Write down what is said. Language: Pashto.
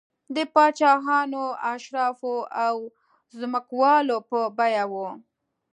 د پاچاهانو، اشرافو او ځمکوالو په بیه و